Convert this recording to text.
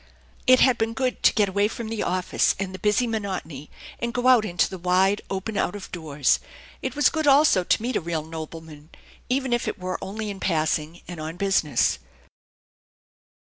It had been good to get away from the office and the busy monotony and go out into the wide, open out of doors. It was good also to meet a real nobleman, even if it were only in passing, and on business.